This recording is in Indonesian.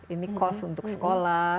ini cost untuk sekolah